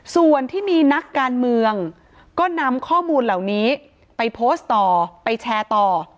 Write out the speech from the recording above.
ส่วนที่มีนักการเมืองก็นำข้อมูลเหล่านี้ไปโพสต์ต่อไปแชร์ต่อ